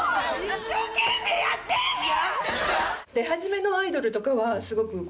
一生懸命やってんだよ！